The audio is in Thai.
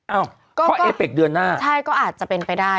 เอ้าก็เอเป็กเดือนหน้าใช่ก็อาจจะเป็นไปได้